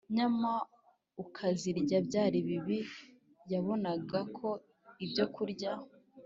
nyama ukazirya byari bibi Yabonaga ko ibyokurya